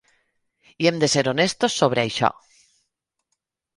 I hem de ser honestos sobre això.